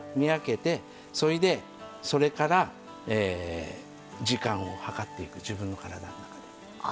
それで、それから時間をはかっていく自分の体の中で。